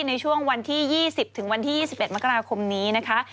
ในช่วงวันที่๒๐ถึงวันที่๒๑มกราคมนี้นะคะ